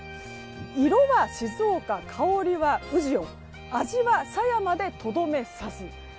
「色は静岡、香りは宇治よ、味は狭山でとどめさす」。